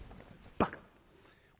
バカ